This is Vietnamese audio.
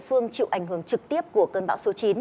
phương chịu ảnh hưởng trực tiếp của cơn bão số chín